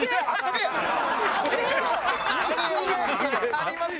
ありますよ。